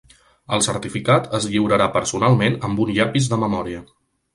El certificat es lliurarà personalment amb un llapis de memòria.